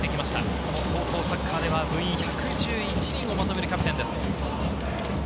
この高校サッカーでは部員１１１人をまとめるキャプテンです。